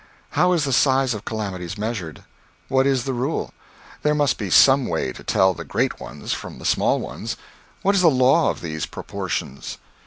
How is the size of calamities measured? What is the rule? There must be some way to tell the great ones from the small ones; what is the law of these proportions?